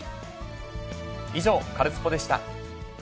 以上、カルスポっ！でした。